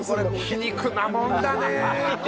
皮肉なもんだね！